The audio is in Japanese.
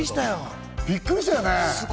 びっくりしたよね？